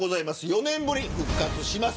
４年ぶりに復活します。